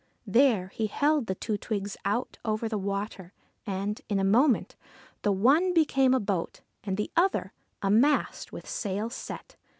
There he held the two twigs out over the water, and, in a moment, the one became a boat and the other a mast with sail set.